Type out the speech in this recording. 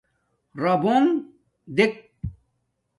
رَبݸݣ دݵک.